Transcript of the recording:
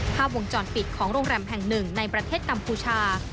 ภาพวงจรปิดของโรงแรมแห่งหนึ่งในประเทศกัมพูชา